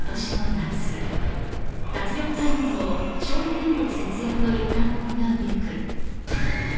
［『脱力タイムズ』も消費電力節約の一端を担うべく］